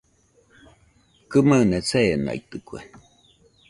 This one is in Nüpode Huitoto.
Kɨmaɨna seenaitɨkue